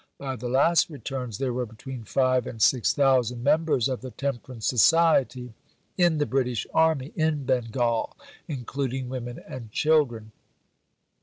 By the last returns there were between 5 and 6 thousand members of the Temperance Society in the British Army in Bengal (including women and children).